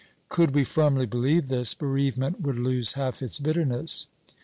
Could we firmly believe this, bereavement would lose half its bitterness.